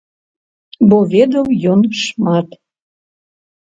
Бо ведаў ён шмат.